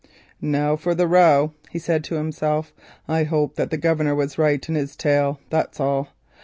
"Now for the row," said he to himself. "I hope that the governor was right in his tale, that's all.